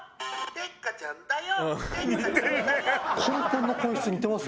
デッカちゃんだよ」